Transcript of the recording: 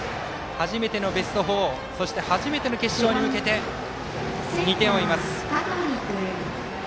初めてのベスト４、そして初めての決勝に向けて２点を追います。